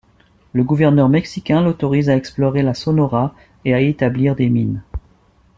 Le gouvernement mexicain l'autorise à explorer la Sonora et à y établir des mines.